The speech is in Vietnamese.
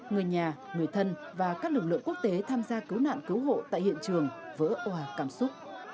người nhà người thân và các lực lượng quốc tế tham gia cứu nạn cứu hộ tại hiện trường vỡ hòa cảm xúc